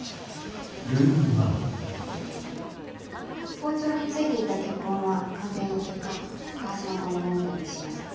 包丁に付いていた血痕は鑑定の結果川島さんのものと一致しました。